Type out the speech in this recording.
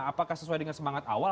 apakah sesuai dengan semangat awal